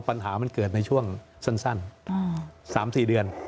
ปัญหามันเกิดในช่วงสั้น๓๔เดือน